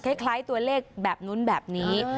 อย่ามันเคล้ายตัวเลขแบบนู้นแบบนี้